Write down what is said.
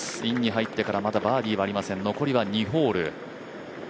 入ってからまだバーディーはありません、残りは２ホール。